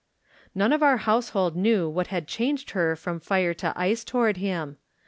None of our household knew what had changed her from fire to ice toward him.